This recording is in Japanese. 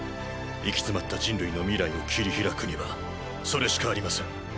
行き詰まった人類の未来を切り開くにはそれしかありません。